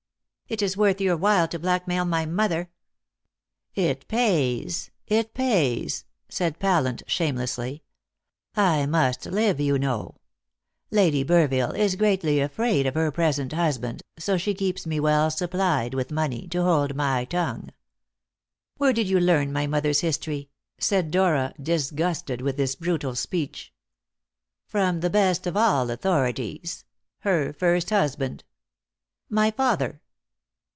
"It is worth your while to blackmail my mother!" "It pays! it pays!" said Pallant shamelessly. "I must live, you know. Lady Burville is greatly afraid of her present husband, so she keeps me well supplied with money to hold my tongue." "Where did you learn my mother's history?" said Dora, disgusted with this brutal speech. "From the best of all authorities her first husband." "My father?"